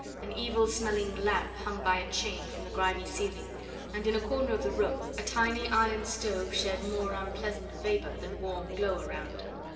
An evil smelling lamp hung by a chain from the grimy ceiling, and in a corner of the room a tiny iron stove shed more unpleasant vapour than warm glow around.